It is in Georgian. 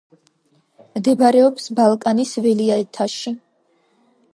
მდებარეობს ბალკანის ველაიათში.